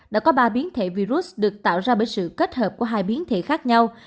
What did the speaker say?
đã có ba biến thể virus được tạo ra bởi sự kết hợp của hai biến thể khác nhau